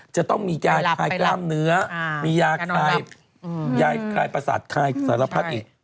จะต้องมียาคลายกล้ามเนื้อมียาคลายประสาทคลายสารพัดอีก